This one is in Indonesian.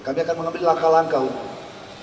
kami akan mengambil langkah langkah untuk menguruskan hal ini